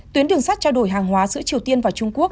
tuyến đường sắt trao đổi hàng hóa giữa triều tiên và trung quốc